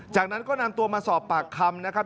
จากนั้นก็นำตัวมาสอบปากคำนะครับ